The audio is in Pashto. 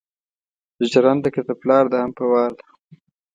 جرنده که دا پلار ده هم په وار ده